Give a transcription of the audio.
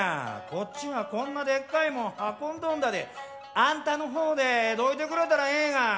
こっちはこんなでっかいもん運んどんだてあんたの方でどいてくれたらええがな」。